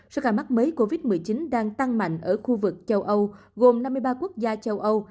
số ca mắc mới covid một mươi chín đang tăng mạnh ở khu vực châu âu gồm năm mươi ba quốc gia châu âu